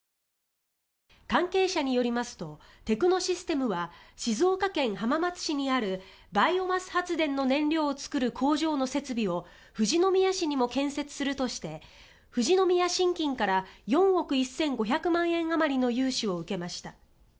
関係者によりますとテクノシステムは静岡県浜松市にあるバイオマス発電の燃料を作る工場の設備を富士宮市にも建設するとして富士宮信金から４億１５００万円あまりの融資を受けました。